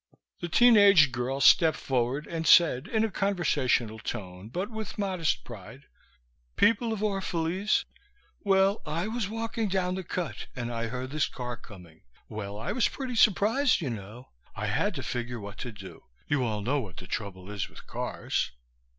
The teen aged girl stepped forward and said, in a conversational tone but with modest pride, "People of Orph'lese, well, I was walking down the cut and I heard this car coming. Well, I was pretty surprised, you know. I had to figure what to do. You all know what the trouble is with cars."